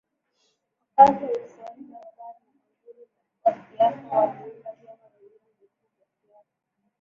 Wakazi wa visiwani Zanzibar na manguli wa siasa wanaunda vyama viwili vikuu vya siasa